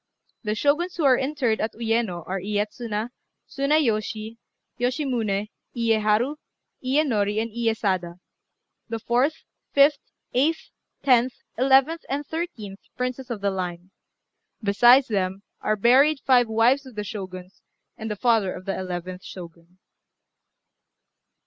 The Shoguns who are interred at Uyéno are Iyétsuna, Tsunayoshi, Yoshimuné, Iyéharu, Iyénori, and Iyésada, the fourth, fifth, eighth, tenth, eleventh, and thirteenth Princes of the Line. Besides them, are buried five wives of the Shoguns, and the father of the eleventh Shogun.